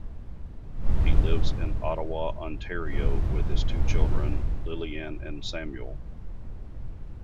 He lives in Ottawa, Ontario with his two children, Lilianne and Samuel.